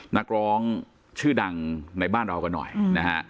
นักร้องชื่อดังในบ้านเรากันหน่อยนะฮะ